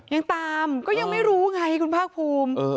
ยังตามก็ยังไม่รู้ไงคุณภาคภูมิ